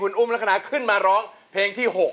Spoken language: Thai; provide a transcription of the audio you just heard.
คุณอุ้มละครานาขึ้นมาร้องเพลงที่๖